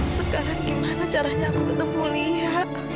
sekarang gimana caranya aku ketemu lihat